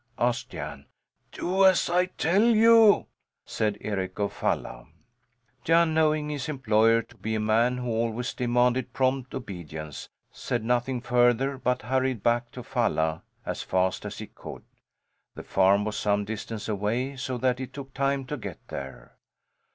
asked Jan. "Do as I tell you!" said Eric of Falla. Jan, knowing his employer to be a man who always demanded prompt obedience, said nothing further but hurried back to Falla as fast as he could. The farm was some distance away, so that it took time to get there.